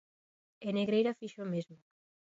E Negreira fixo o mesmo.